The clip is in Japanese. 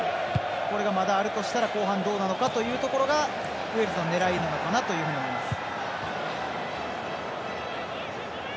これが、まだあるとしたらこう反動なのかというところがウェールズの狙い目なのかなと思います。